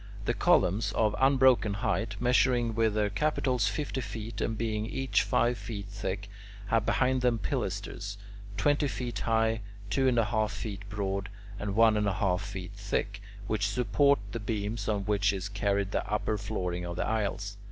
The columns, of unbroken height, measuring with their capitals fifty feet, and being each five feet thick, have behind them pilasters, twenty feet high, two and one half feet broad, and one and one half feet thick, which support the beams on which is carried the upper flooring of the aisles.